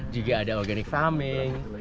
juga ada organic farming